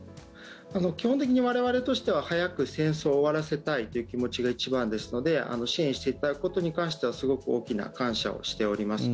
基本的に我々としては早く戦争を終わらせたいという気持ちが一番ですので支援していただくことに関してはすごく大きな感謝をしています。